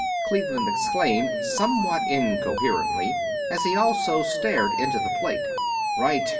Cleveland exclaimed, somewhat incoherently, as he also stared into the plate. "Right.